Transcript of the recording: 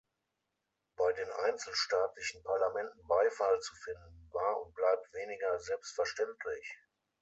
Bei den einzelstaatlichen Parlamenten Beifall zu finden, war und bleibt weniger selbstverständlich.